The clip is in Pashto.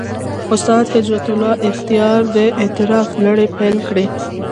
استاد هجرت الله اختیار د «اعتراف» لړۍ پېل کړې.